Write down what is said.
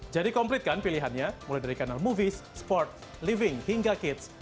jadi komplitkan pilihannya mulai dari kanal movies sport living hingga kids